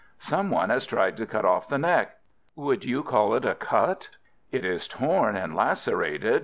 "Some one has tried to cut off the neck." "Would you call it a cut?" "It is torn and lacerated.